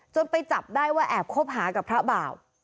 ไปจับได้ว่าแอบคบหากับพระบ่าว